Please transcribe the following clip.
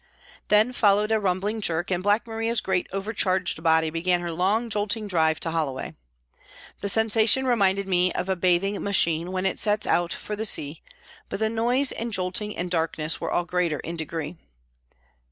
Then followed a rumbling jerk and Black Maria's great overcharged body began her long, jolting drive to Hollo way. The sensation reminded me of a bathing machine when it sets out for the sea, but the noise and jolting and darkness were all greater in degree.